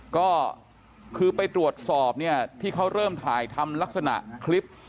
ก็คือไปตรวจสอบเนี่ยที่เขาเริ่มถ่ายทำลักษณะคลิป